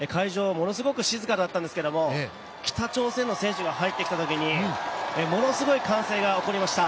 ものすごく静かだったんですけど北朝鮮の選手が入ってきたときにものすごい歓声が起こりました。